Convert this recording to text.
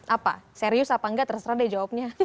apa serius apa enggak terserah deh jawabnya